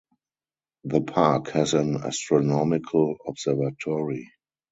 The park has an astronomical observatory.